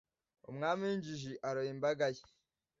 Umwami w’injiji aroha imbaga ye,